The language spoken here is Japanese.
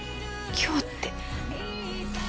今日って。